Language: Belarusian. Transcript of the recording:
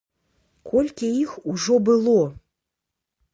Колькі іх ужо было?